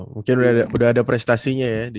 mungkin sudah ada prestasinya ya